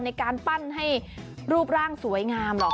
ในการปั้นให้รูปร่างสวยงามหรอก